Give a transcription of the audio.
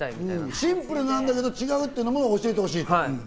シンプルだけど違うっていうのを教えてほしいと。